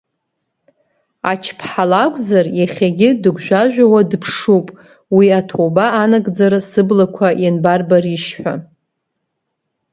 Ач-ԥҳа лакәзар, иахьагьы дыгәжәажәауа дыԥшуп, уи аҭоуба анагӡара сыблақәа ианбарбаришь ҳәа.